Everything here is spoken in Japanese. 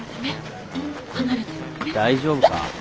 大丈夫か？